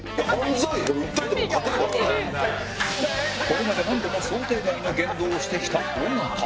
これまで何度も想定外の言動をしてきた尾形